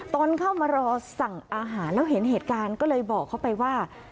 ตอนเข้ามารอสั่งอาหารแล้วเห็นเหตุการณ์ก็เลยบอกเขาไปว่า